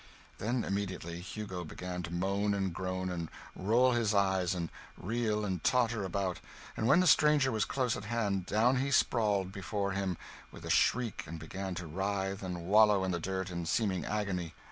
Then immediately Hugo began to moan, and groan, and roll his eyes, and reel and totter about; and when the stranger was close at hand, down he sprawled before him, with a shriek, and began to writhe and wallow in the dirt, in seeming agony.